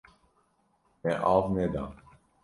Me av neda.